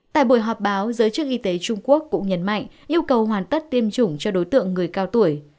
tại buổi họp báo giới chức y tế trung quốc cũng nhấn mạnh yêu cầu hoàn tất tiêm chủng cho đối tượng người cao tuổi